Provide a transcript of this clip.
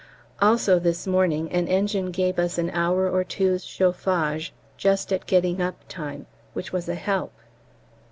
Also, this morning an engine gave us an hour or two's chauffage just at getting up time, which was a help.